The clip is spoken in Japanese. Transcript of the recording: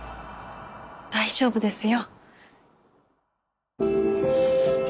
大丈夫ですよ。